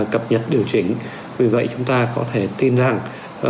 cập nhật điều chỉnh vì vậy chúng ta có thể tin rằng